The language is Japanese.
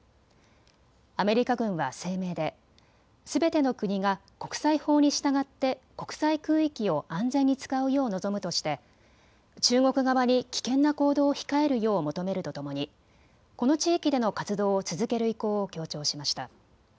アメリカ軍は声明ですべての国が国際法に従って国際空域を安全に使うよう望むとして中国側に危険な行動を控えるよう求めるとともにこの地域での活動を続ける意向を強調しました。